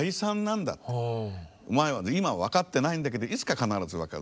「お前は今は分かってないんだけどいつか必ず分かる。